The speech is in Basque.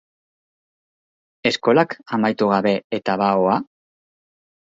Eskolak amaitu gabe eta bahoa?